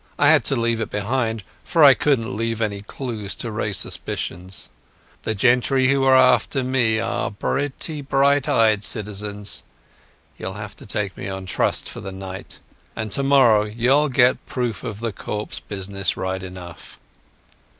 I had to leave it behind, for I couldn't leave any clues to breed suspicions. The gentry who are after me are pretty bright eyed citizens. You'll have to take me on trust for the night, and tomorrow you'll get proof of the corpse business right enough."